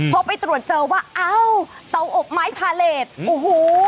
พอไปตรวจเจอว่าอ้าวเตาอบไม้พาเลสโอ้โห